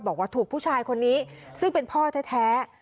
บอกว่าถูกผู้ชายคนนี้ซึ่งเป็นพ่อแท้